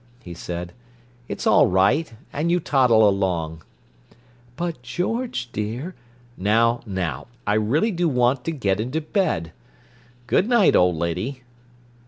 he said. "It's all right, and you toddle along." "But, George, dear—" "Now, now! I really do want to get into bed. Good night, old lady."